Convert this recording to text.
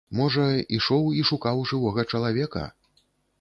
Можа, ішоў і шукаў жывога чалавека?